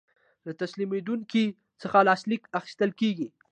له تسلیمیدونکي څخه لاسلیک اخیستل کیږي.